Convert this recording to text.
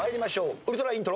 ウルトライントロ。